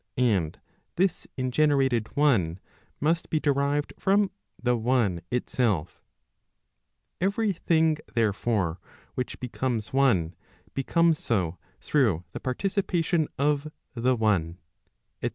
[And this ingenerated one must be derived from the one itself. Every thing, therefore, which becomes one, becomes so through the participation of the one , &c.